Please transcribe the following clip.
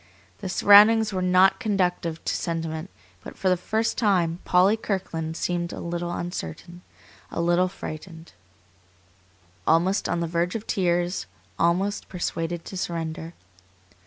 The surroundings were not conducive to sentiment, but for the first time Polly Kirkland seemed a little uncertain, a little frightened; almost on the verge of tears, almost persuaded to surrender.